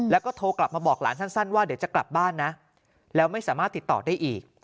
แล้วก็โทรกลับมาบอกหลานสั้นว่าเดี๋ยวจะกลับบ้านนะแล้วไม่สามารถติดต่อได้อีก